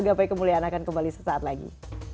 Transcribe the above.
gapai kemuliaan akan kembali sesaat lagi